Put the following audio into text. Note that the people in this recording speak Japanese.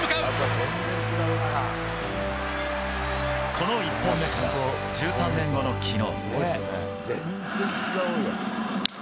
この１本目から１３年後の昨日。